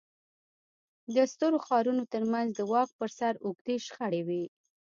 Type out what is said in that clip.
د سترو ښارونو ترمنځ د واک پر سر اوږدې شخړې وې